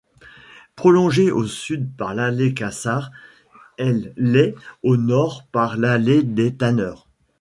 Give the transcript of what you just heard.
Prolongée au sud par l'allée Cassard, elle l'est au nord par l'allée des Tanneurs.